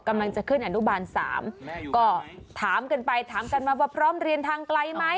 กำลังจะขึ้นอนุบาล๓ก็ถามกันไปถามกันมาว่าพร้อมเรียนทางไกลไหม